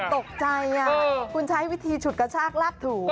ตกใจคุณใช้วิธีฉุดกระชากลากถู